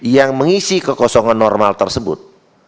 yang mengisi kekosongan normal tersebut